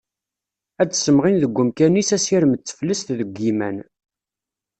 Ad ssemɣin deg umkan-is asirem d teflest deg yiman.